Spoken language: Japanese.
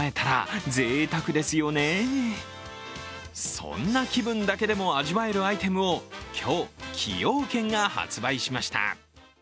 そんな気分だけでも味わえるアイテムを今日、崎陽軒が発売しました。